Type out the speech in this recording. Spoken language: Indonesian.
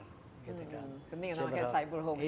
penting namanya cyber hoax